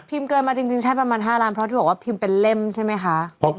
เกินมาจริงใช้ประมาณ๕ล้านเพราะที่บอกว่าพิมพ์เป็นเล่มใช่ไหมคะ